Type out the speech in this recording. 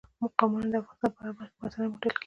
قومونه د افغانستان په هره برخه کې په اسانۍ موندل کېږي.